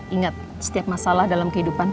ingat setiap masalah dalam kehidupan